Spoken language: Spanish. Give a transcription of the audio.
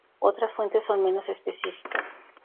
Otras fuentes son menos específicas.